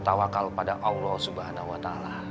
tawakal pada allah swt